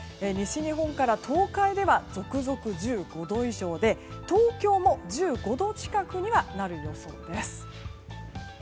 西日本から東海では続々、１５度以上で東京も１５度近くにはなる予想です。